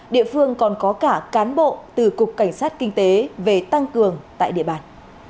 địa phương còn có cả cán bộ từ cục cảnh sát kinh tế về tăng cường tại địa bàn